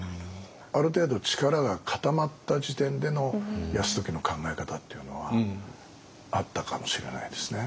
ある程度力が固まった時点での泰時の考え方っていうのはあったかもしれないですね。